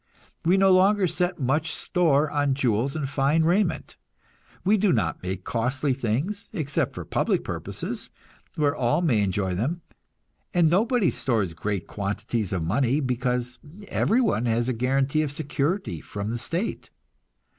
We no longer set much store on jewels and fine raiment; we do not make costly things, except for public purposes, where all may enjoy them; and nobody stores great quantities of money, because everyone has a guarantee of security from the state.